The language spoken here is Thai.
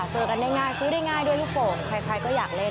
เจอกันง่ายซื้อได้ง่ายด้วยลูกโป่งใครก็อยากเล่น